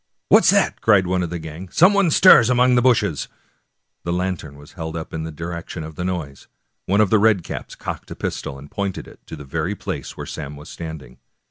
" What's that? " cried one of the gang. " Some one stirs among the bushes !" The lantern was held up in the direction of the noise. One of the red caps cocked a pistol, and pointed it toward the very place where Sam was standing.